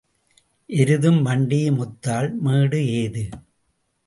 எருதும் வண்டியும் ஒத்தால் மேடு எது?